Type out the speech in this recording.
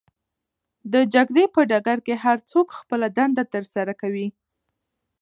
د جګړې په ډګر کې هرڅوک خپله دنده ترسره کوي.